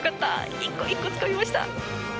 １個つかみました！